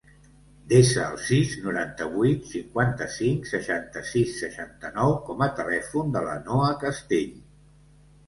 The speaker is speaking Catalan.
Desa el sis, noranta-vuit, cinquanta-cinc, seixanta-sis, seixanta-nou com a telèfon de la Noa Castell.